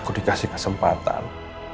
aku dikasih kesempatan